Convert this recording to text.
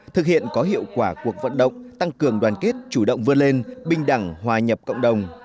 thực hiện có hiệu quả cuộc vận động tăng cường đoàn kết chủ động vươn lên bình đẳng hòa nhập cộng đồng